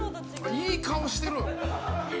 いい顔してる。